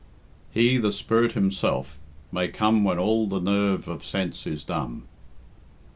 He, the Spirit Himself, may come When all the nerve of sense is numb."